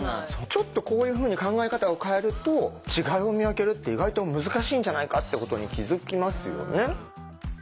ちょっとこういうふうに考え方を変えると違いを見分けるって意外と難しいんじゃないかってことに気づきますよね。